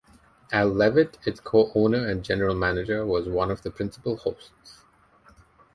Al Levitt, its co-owner and General Manager was one of the principal hosts.